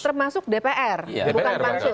termasuk dpr bukan pansus